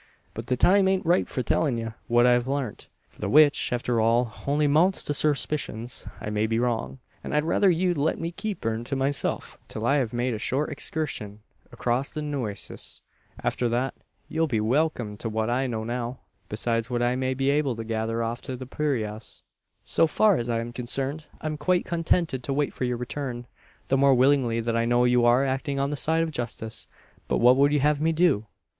But the time ain't ripe for tellin' ye what I've larnt the which, arter all, only mounts to surspishuns. I may be wrong; an I'd rayther you'd let me keep 'em to myself till I hev made a short exkurshun acrost to the Nooeces. Arter thet, ye'll be welkum to what I know now, besides what I may be able to gather off o' the parayras." "So far as I am concerned, I'm quite contented to wait for your return; the more willingly that I know you are acting on the side of justice. But what would you have me do?"